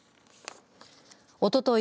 おととい